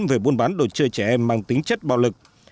về buôn bán đồ chơi trẻ em mang tính chất bạo lực